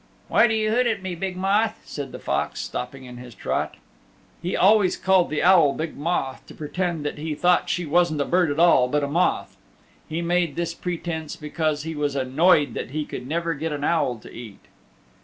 "Why do you hoot at me, Big Moth?" said the Fox stopping in his trot. (He always called the Owl "Big Moth" to pretend that he thought she wasn't a bird at all, but a moth. He made this pretence because he was annoyed that he could never get an owl to eat).